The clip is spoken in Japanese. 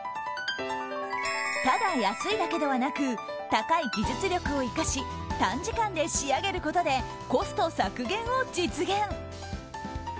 ただ安いだけではなく高い技術力を生かし短時間で仕上げることでコスト削減を実現。